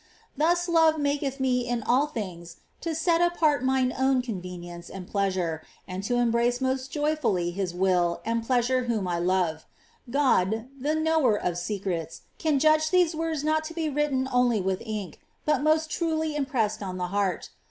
Thus love mnketh me in all things to set apart mine own convenience and ilea«iire. an<l to embrace most joyfully his will and pleasure whom 1 love. God, lie knnwor of secrets, can judge these words not to be written only with ynke, ut most truly impressed on the heart.